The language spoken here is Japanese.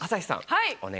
はい。